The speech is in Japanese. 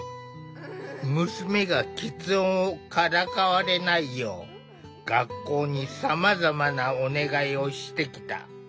娘がきつ音をからかわれないよう学校にさまざまなお願いをしてきた。